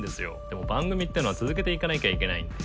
でも番組ってのは続けていかなきゃいけないんで。